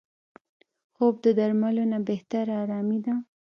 خوب د درملو نه بهتره آرامي ده